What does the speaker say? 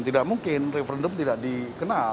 tidak mungkin referendum tidak dikenal